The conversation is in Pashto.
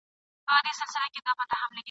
نه سېلونه هر آواز ته سی راتللای ..